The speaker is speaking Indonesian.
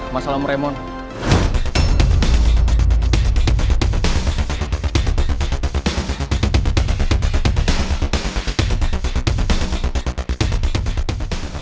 masalah sama raymond